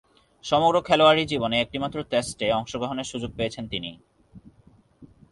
সমগ্র খেলোয়াড়ী জীবনে একটিমাত্র টেস্টে অংশগ্রহণের সুযোগ পেয়েছেন তিনি।